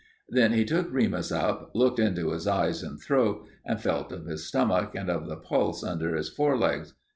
Then he took Remus up, looked into his eyes and throat, and felt of his stomach and of the pulse under his forelegs.